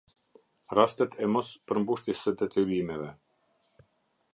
Rastet e mos-përmbushjes së detyrimeve.